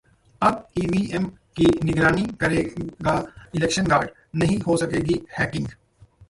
अब ईवीएम की निगरानी करेगा 'इलेक्शन गार्ड', नहीं हो सकेगी हैकिंग